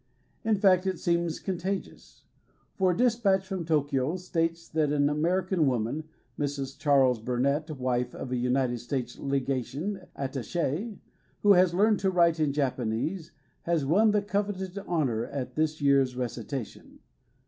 In fact, it seems contagious. For a dis patch from Tokio states that an Amer ican woman, Mrs. Charles Burnett, wife of a United States legation at tach6, who has learned to write in Jap anese, has won the coveted honor at this year's recitation.